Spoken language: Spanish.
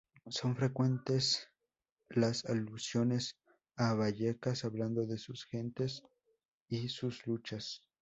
Son frecuentes las alusiones a Vallecas, hablando de sus gentes y sus luchas.